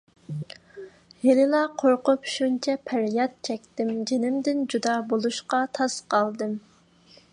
ھېلىلا قورقۇپ شۇنچە پەرياد چەكتىم، جېنىمدىن جۇدا بولۇشقا تاس قالدىم.